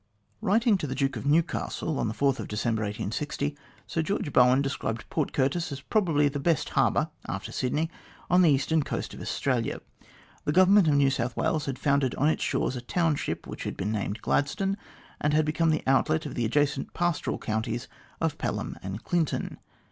Writing to the Duke of Newcastle on December 4, 1860, Sir George Bowen described Port Curtis as probably the best harbour, after that of Sydney, on the eastern coast of Australia. The Government of New South Wales had founded on its shores a township which had been named Gladstone, and had become the outlet of the adjacent pastoral counties of Pelham and Clinton.